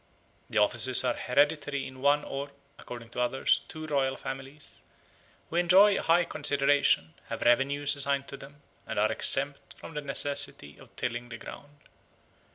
The offices are hereditary in one or (according to others) two royal families, who enjoy high consideration, have revenues assigned to them, and are exempt from the necessity of tilling the ground.